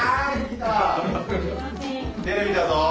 テレビだぞぉ！